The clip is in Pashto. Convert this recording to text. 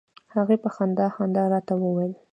هغې په خندا خندا راته وویل.